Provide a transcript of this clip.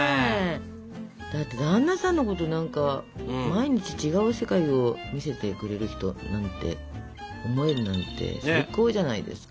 だって旦那さんのこと何か「毎日違う世界を見せてくれる人」なんて思えるなんて最高じゃないですか。